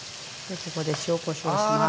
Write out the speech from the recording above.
ここで塩こしょうします。